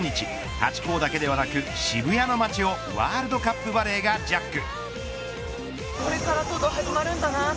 ハチ公だけではなく渋谷の街をワールドカップバレーがジャック。